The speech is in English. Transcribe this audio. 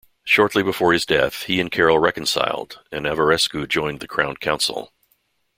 Shortly before his death, he and Carol reconciled, and Averescu joined the Crown Council.